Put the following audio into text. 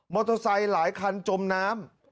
เตอร์ไซค์หลายคันจมน้ำ